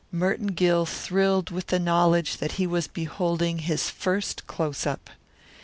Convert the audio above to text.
Merton Gill thrilled with the knowledge that he was beholding his first close up.